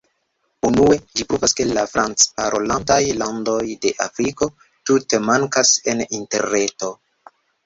Unue, ĝi pruvas ke la franc-parolantaj landoj de Afriko tute mankas en Interreto.